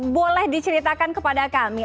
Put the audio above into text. boleh diceritakan kepada kami